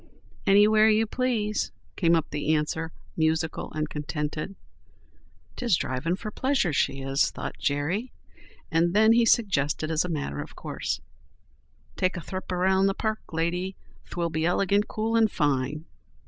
"Anywhere you please," came up the answer, musical and contented. "'Tis drivin' for pleasure she is," thought Jerry. And then he suggested as a matter of course: "Take a thrip around in the park, lady. 'Twill be ilegant cool and fine."